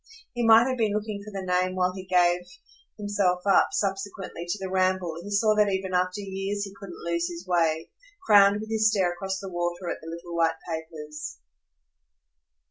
He might have been looking for the name while he gave himself up, subsequently, to the ramble he saw that even after years he couldn't lose his way crowned with his stare across the water at the little white papers.